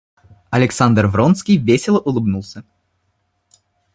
Александр Вронский весело улыбнулся.